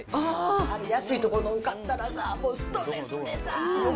安いところの買ったらさ、もうストレスでさあ。